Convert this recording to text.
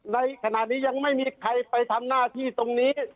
ในขณะนี้ยังไม่มีใครไปทำหน้าที่ตรงนี้